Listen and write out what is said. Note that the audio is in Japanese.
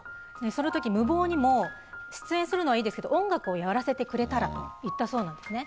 そのとき、無謀にも出演するのはいいですけど、音楽をやらせてくれたらと言ったそうなんですね。